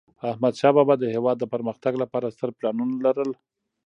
احمدشاه بابا د هیواد د پرمختګ لپاره ستر پلانونه لرل.